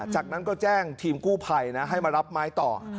จากนั้นก็แจ้งทีมกู้ภัยนะให้มารับไม้ต่อ